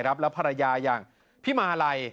แล้วภรรยาอย่างพี่มาลัย